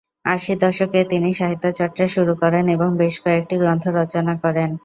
আশির দশকে তিনি সাহিত্যচর্চা শুরু করেন এবং বেশ কয়েকটি গ্রন্থ রচনা করেন।